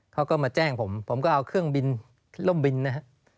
เขาก็มาแจ้งผมผมก็เอาเครื่องบินร่มบินนะฮะ